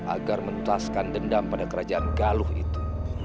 agar menjelaskan dendam pada kerajaan galuh itu